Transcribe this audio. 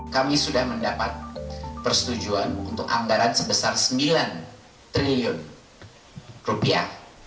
kami sudah mendapat persetujuan untuk anggaran sebesar sembilan triliun rupiah